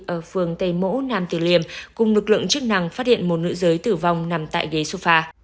ở phường tây mỗ nam tử liêm cùng lực lượng chức năng phát hiện một nữ giới tử vong nằm tại ghế sufa